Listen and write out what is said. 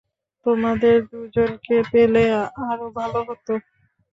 তোমাদের দুজনকে পেলে আরো ভালো হতো।